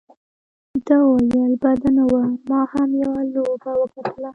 ده وویل: بده نه وه، ما هم یوه لوبه وګټله.